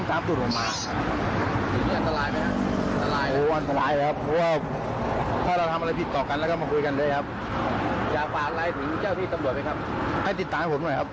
ผมพูดเขาตอบมากับพี่ผมตลอดทาง